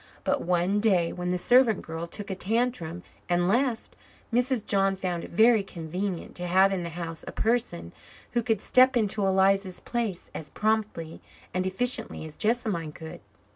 But one day, when the servant girl took a tantrum and left, Mrs. John found it very convenient to have in the house a person who could step into Eliza's place as promptly and efficiently as Jessamine could.